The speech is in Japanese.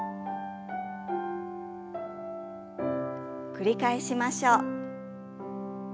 繰り返しましょう。